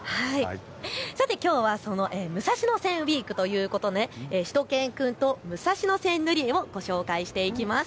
きょうは武蔵野線ウイークということでしゅと犬くんと武蔵野線塗り絵をご紹介していきます。